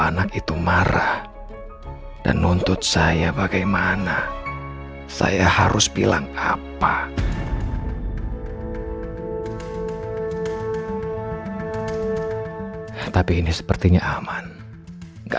anak itu marah dan nuntut saya bagaimana saya harus bilang apa hai tapi ini sepertinya aman enggak